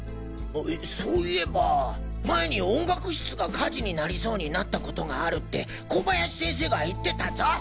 そいえば前に音楽室が火事になりそうになった事があるって小林先生が言ってたぞ。